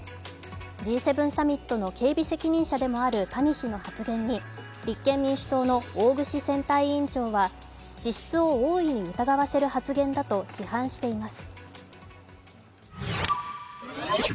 Ｇ７サミットの警備責任者でもある谷氏の発言に立憲民主党の大串選対委員長は資質を大いに疑わせる発言だと批判しています。